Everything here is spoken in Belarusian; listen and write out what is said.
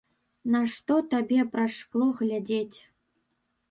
Нашто табе праз шкло глядзець.